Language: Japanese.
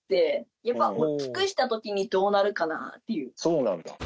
そうなんだ。